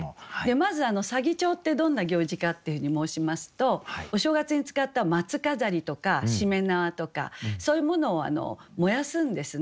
まず左義長ってどんな行事かっていうふうに申しますとお正月に使った松飾りとかしめ縄とかそういうものを燃やすんですね。